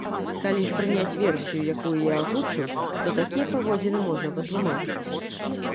Калі ж прыняць версію, якую я агучыў, то такія паводзіны можна патлумачыць.